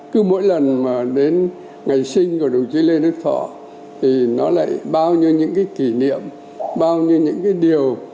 cứ mỗi lần mà đến ngày sinh của đồng chí lê đức thọ thì nó lại bao nhiêu những cái kỷ niệm bao nhiêu những cái điều